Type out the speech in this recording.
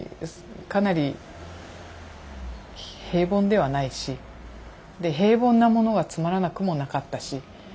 かなり平凡ではないしで平凡なものがつまらなくもなかったし。